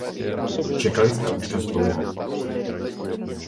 Čekali jsme už dost dlouho.